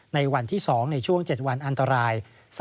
ในวันที่๒ในช่วง๗วันอันตราย